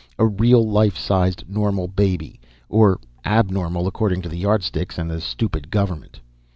A real, life sized, normal baby. Or abnormal, according to the Yardsticks and the stupid government.